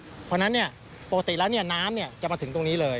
เพราะฉะนั้นเนี้ยปกติแล้วเนี้ยน้ำเนี้ยจะมาถึงตรงนี้เลย